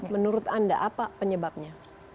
menurut anda apa penyebabnya